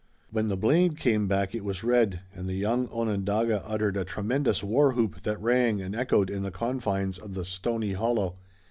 When the blade came back it was red and the young Onondaga uttered a tremendous war whoop that rang and echoed in the confines of the stony hollow.